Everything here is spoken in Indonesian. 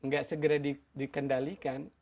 gak segera dikendalikan